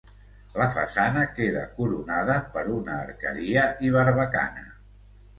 La façana queda coronada per una arqueria i barbacana.